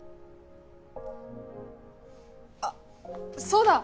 あっそうだ！